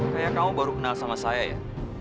kayaknya kamu baru kenal sama saya ya